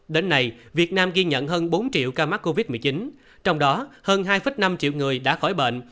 đến nay việt nam ghi nhận hơn bốn triệu ca mắc covid một mươi chín trong đó hơn hai năm triệu người đã khỏi bệnh